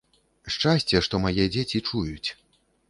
Шчасце, што мае дзеці чуюць.